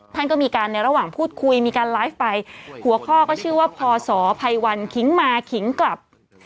ท่านก็มีการในระหว่างพูดคุยมีการไลฟ์ไปหัวข้อก็ชื่อว่าพศภัยวันขิงมาขิงกลับ